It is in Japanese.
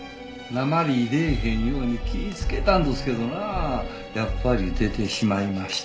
訛り出ぇへんように気ぃつけたんどすけどなあやっぱり出てしまいましたか。